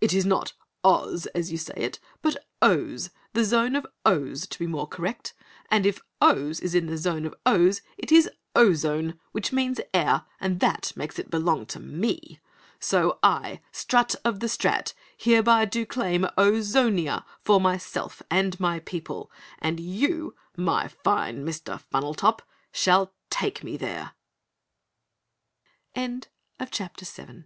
"It is not Oz, as you say it, but OHS the zone of Ohs, to be more correct. And if Ohs is in the zone of Ohs it is Ozone, which means AIR and that makes it belong to ME! So I, Strut of the Strat, hereby do claim OZONIA for myself and my people, and you, my fine Mr. Funnel Top, shall take me there!" CHAPTER 8 Strut of the Strat Sets O